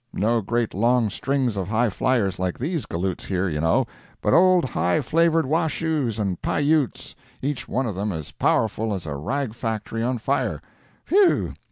No great long strings of high fliers like these galoots here, you know, but old high flavored Washoes and Pi Utes, each one of them as powerful as a rag factory on fire. Phew!